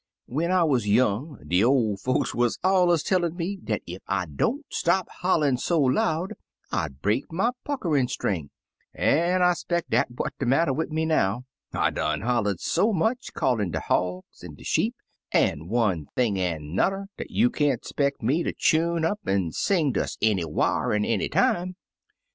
When I wuz young, de ol' folks wuz allers a tellin' me dat ef I don't stop hoUin' so loud, I 'd break my puckerin' string, an' I 'speck dat what de matter wid 59 Uncle Remus Returns me now. I done hoUa'd so much, callin' de hogs an' de sheep, an' one thing an' an'er, dat you can't 'speck me ter chune up an' sing des anywhar an' any time.